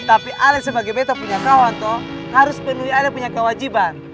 tapi ale sebagai betok punya kawan toh harus penuhi ale punya kewajiban